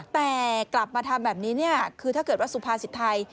แต่กลับมาทำแบบนี้คือถ้าเกิดว่าสุภาษิตไทย